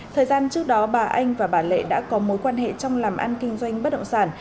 thời gian trước đó bà anh và bà lệ đã có mối quan hệ trong làm ăn kinh doanh bất động sản